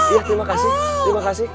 iya terima kasih terima kasih